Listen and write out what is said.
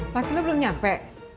laki lu belum nyampe